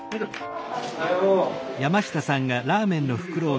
おはよう。